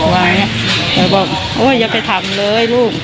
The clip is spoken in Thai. แม่บอกอย่าไปทำเลยลูก